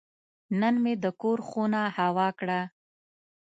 نن مې د کور خونه هوا کړه.